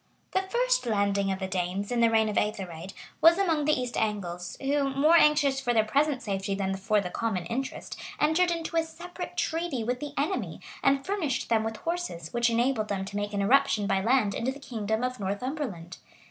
The first landing of the Danes, in the reign of Ethered, was among the East Angles, who, more anxious for their present safety than for the common interest, entered into a separate treaty with the enemy, and furnished them with horses, which enabled them to make an irruption by land into the kingdom of Northumberland.